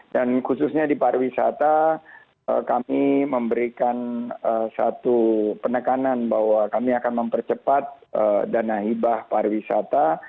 dan khususnya di pariwisata kami memberikan satu penekanan bahwa kami akan mempercepat dana hibah pariwisata